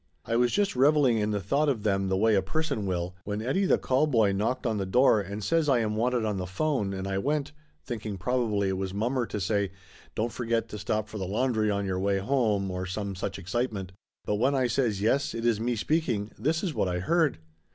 I was just reveling in the thought of them the way a person will, when Eddie the call boy knocked on the door and says I am wanted on the phone and I went, thinking probably it was mommer to say "Don't for get to stop for the laundry on your way home," or some such excitement. But when I says "Yes, it is me speaking," this is what I heard.